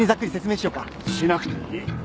しなくていい。